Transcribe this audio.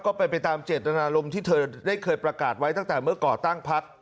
ก็เป็นไปตามเจตนารมณ์ที่เธอได้เคยประกาศไว้ตั้งแต่เมื่อก่อตั้งพัก